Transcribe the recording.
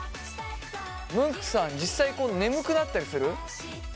ムンクさん実際眠くなったりする？